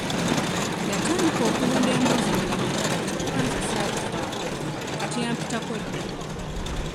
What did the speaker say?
Yatandika okulunda embuzi nga mmulaba kyokka nze saakifaako kati yampitako dda.